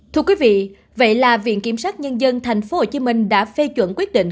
thưa quý vị vậy là viện kiểm sát nhân dân tp hcm đã phê chuẩn quyết định